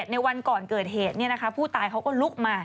ในวันก่อนเกิดเหตุผู้ตายเขาก็ลุกมา